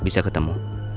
oh bisa ketemu